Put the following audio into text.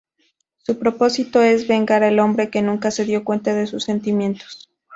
Su propósito es vengar al hombre que nunca se dio cuenta de sus sentimientos.